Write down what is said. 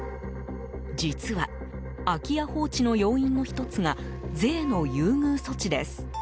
実は、空き家放置の要因の１つが税の優遇措置です。